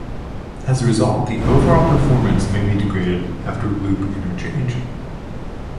As a result, the overall performance may be degraded after loop interchange.